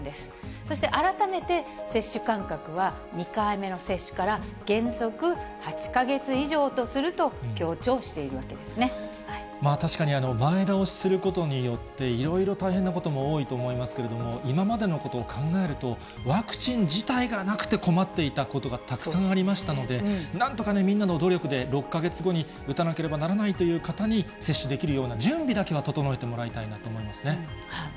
そして改めて接種間隔は２回目の接種から原則８か月以上とすると確かに、前倒しすることによっていろいろ大変なことも多いと思いますけれども、今までのことを考えると、ワクチン自体がなくて困っていたことがたくさんありましたので、なんとかね、みんなの努力で、６か月後に打たなければならないという方に接種できるような準備だけは整えてもらいたいなと思いますね。